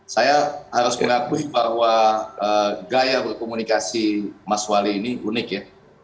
saya harus mengakui bahwa gaya berkomunikasi mas wali ini unik ya